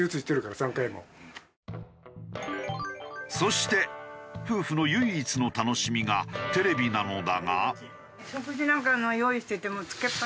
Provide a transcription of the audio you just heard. そして夫婦の唯一の楽しみがテレビなのだが。